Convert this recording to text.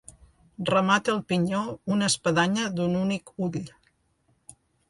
Remata el pinyó una espadanya d'un únic ull.